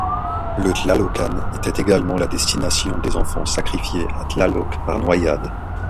Le Tlalocan était également la destination des enfants sacrifiés à Tlaloc par noyade.